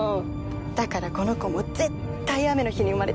だからこの子も絶対雨の日に生まれてくるの。